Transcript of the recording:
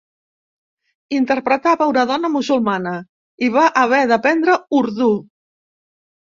Interpretava una dona musulmana i va haver d'aprendre urdú.